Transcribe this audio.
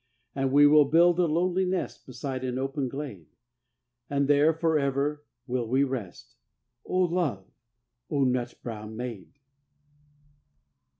And we will build a lonely nest Beside an open glade, And there forever will we rest, O love O nut brown maid!